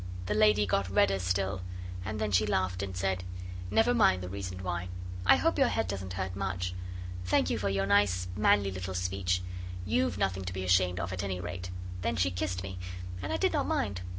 The lady got redder still, and then she laughed and said 'Never mind the reason why. I hope your head doesn't hurt much. Thank you for your nice, manly little speech. You've nothing to be ashamed of, at any rate.' Then she kissed me, and I did not mind.